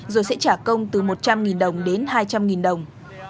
rồi sẽ trả công từ một trăm linh đồng đến hai trăm linh đồng